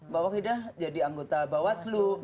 bapak ida jadi anggota bawaslu